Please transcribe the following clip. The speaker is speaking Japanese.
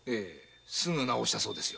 すぐ直したそうです。